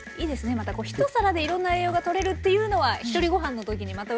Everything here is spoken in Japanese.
また一皿でいろんな栄養がとれるっていうのはひとりごはんの時にまたうれしいですよね。